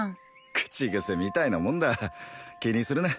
口癖みたいなもんだ気にするな